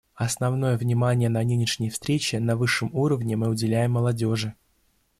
Основное внимание на нынешней встрече на высшем уровне мы уделяем молодежи.